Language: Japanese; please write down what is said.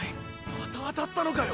また当たったのかよ！